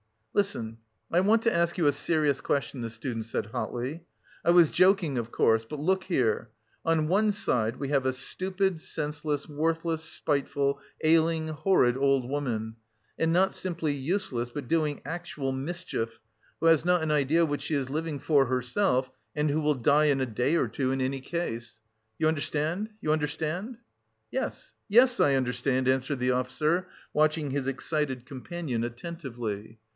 "Listen, I want to ask you a serious question," the student said hotly. "I was joking of course, but look here; on one side we have a stupid, senseless, worthless, spiteful, ailing, horrid old woman, not simply useless but doing actual mischief, who has not an idea what she is living for herself, and who will die in a day or two in any case. You understand? You understand?" "Yes, yes, I understand," answered the officer, watching his excited companion attentively.